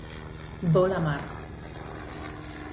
Bo Lamar